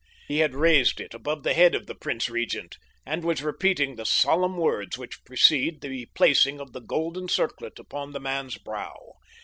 He had raised it above the head of the prince regent, and was repeating the solemn words which precede the placing of the golden circlet upon the man's brow.